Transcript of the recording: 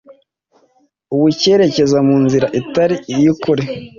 ubu cyerekeza mu nzira itari iyukuri